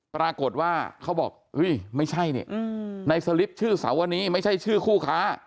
ปรากฏว่าเขาบอกไม่ใช่นี่ในสลิปชื่อสาวนีไม่ใช่ชื่อคู่ค้า